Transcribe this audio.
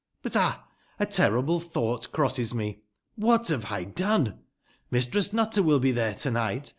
But, ab ! a terrible tbougbt crosses me. Wbat bave I done? Mistress Nutter will be tbere to nigbt.